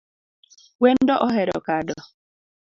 Wendo ohero kado